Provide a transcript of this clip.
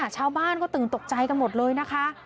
ชาวบ้านก็ตื่นตกใจกันหมดเลยนะคะ